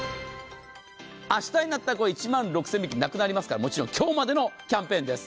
明日になったらこれ、１万６０００円引なくなりますからもちろん今日までのキャンペーンです。